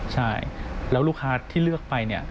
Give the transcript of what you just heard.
ใช่แล้วลูกค้าที่เลือกไป